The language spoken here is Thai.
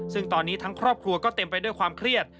ซึ่งตอนนี้ทั้งครอบครัวก็เต็มไปด้วยความเครียด